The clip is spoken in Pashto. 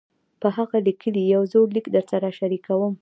پۀ هغه ليکلے يو زوړ ليک درسره شريکووم -